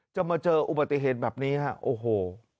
มาเจออุบัติเหตุแบบนี้ฮะโอ้โห